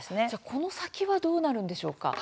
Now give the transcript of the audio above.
この先はどうなるのでしょうか。